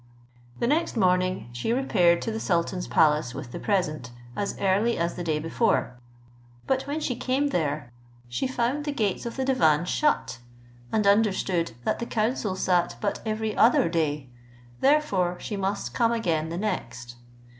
The next morning she repaired to the sultan's palace with the present, as early as the day before, but when she came there, she found the gates of the divan shut, and understood that the council sat but every other day, therefore she must come again the next.